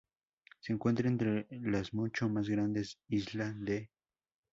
Se encuentra entre las mucho más grandes isla de St.